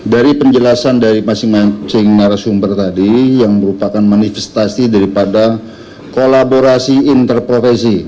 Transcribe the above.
dari penjelasan dari masing masing narasumber tadi yang merupakan manifestasi daripada kolaborasi interprofesi